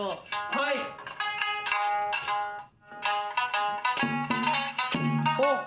はい。おっ。